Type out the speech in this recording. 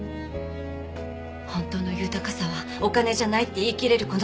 本当の豊かさはお金じゃないって言いきれるこの世界。